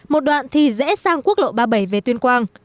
một đoạn thì dễ sang quốc lộ ba mươi bảy về tuyên quang